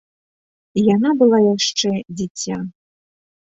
Яна была яшчэ дзіця.